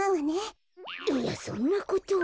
いやそんなことは。